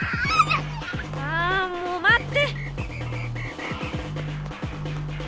あもうまって！